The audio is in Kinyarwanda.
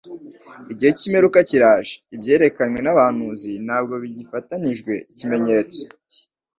Igihe cy'imperuka kiraje, ibyerekanywe n'abahanuzi ntabwo bigifatanijwe ikimenyetso